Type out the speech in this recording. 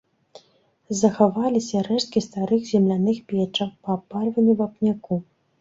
Захаваліся рэшткі старых земляных печаў па абпальванні вапняку.